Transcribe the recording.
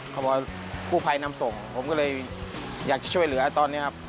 เขาบอกกู้ภัยนำส่งผมก็เลยอยากจะช่วยเหลือตอนนี้ครับ